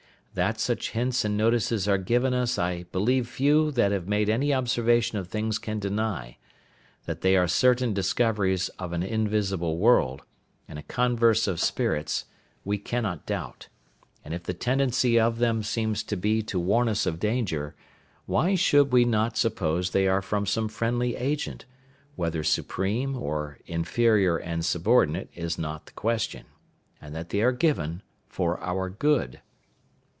That such hints and notices are given us I believe few that have made any observation of things can deny; that they are certain discoveries of an invisible world, and a converse of spirits, we cannot doubt; and if the tendency of them seems to be to warn us of danger, why should we not suppose they are from some friendly agent (whether supreme, or inferior and subordinate, is not the question), and that they are given for our good?